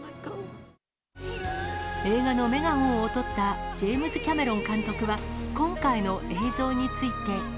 映画のメガホンをとったジェームズ・キャメロン監督は今回の映像について。